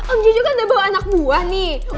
om jiju kan udah bawa anak buah nih